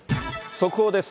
速報です。